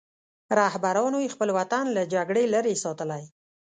رهبرانو یې خپل وطن له جګړې لرې ساتلی.